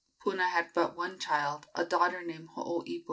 Puna had but one child, a daughter named Hooipo.